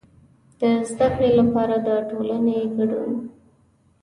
د زده کړې لپاره د ټولنې کډون.